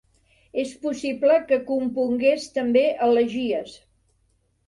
És possible que compongués també elegies.